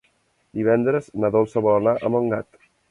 Divendres na Dolça vol anar a Montgat.